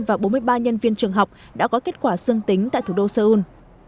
và bốn mươi ba nhân viên trường học đã có kết quả dương tính tại thủ đô seoul